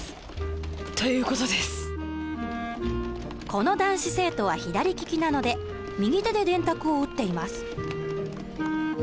この男子生徒は左利きなので右手で電卓を打っています。